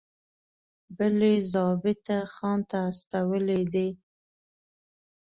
بل یې ضابطه خان ته استولی دی.